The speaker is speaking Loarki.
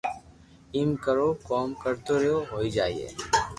ايم ڪوم ڪرتو رھييي ھوئي جائي